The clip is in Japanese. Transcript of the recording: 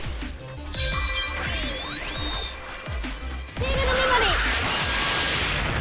シールドメモリー！